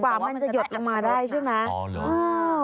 กว่ามันจะหยดลงมาได้ใช่ไหม